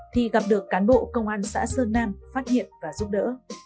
thì gặp được cán bộ công an xã sơn nam phát hiện và giúp đỡ